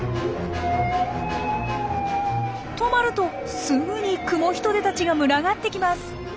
止まるとすぐにクモヒトデたちが群がってきます。